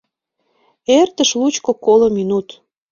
Эртыш лучко-коло минут.